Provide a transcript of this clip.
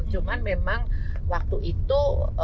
cuman memang waktu itu